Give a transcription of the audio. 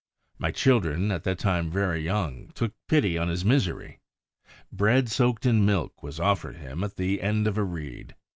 My children, at that time very young, took pity on his misery. Bread soaked in milk was offered him at the end of a reed.